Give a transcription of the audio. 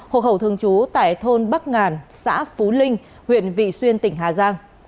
hộ khẩu thường trú tại thôn bắc ngàn xã phú linh huyện vị xuyên tỉnh hà giang